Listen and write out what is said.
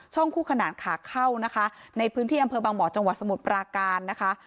คู่ขนานขาเข้านะคะในพื้นที่อำเภอบางบ่อจังหวัดสมุทรปราการนะคะ